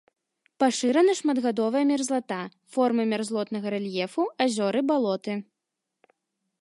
Пашырана шматгадовая мерзлата, формы мярзлотнага рэльефу, азёры, балоты.